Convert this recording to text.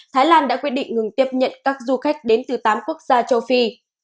thái lan đã quyết định ngừng tiếp nhận các du khách đến từ tám quốc gia châu phi